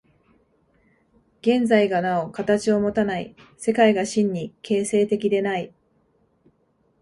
現在がなお形をもたない、世界が真に形成的でない。